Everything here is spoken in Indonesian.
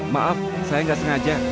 maaf saya gak sengaja